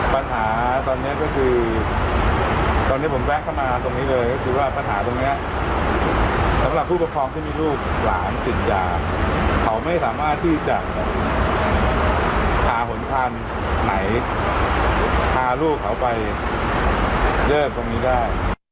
ปัญหาตอนนี้ก็คือตอนนี้ผมแวะเข้ามาตรงนี้เลยก็คือว่าปัญหาตรงนี้สำหรับผู้ปกครองที่มีลูกหลานติดยาเขาไม่สามารถที่จะหาหนทางไหนพาลูกเขาไปแยกตรงนี้ได้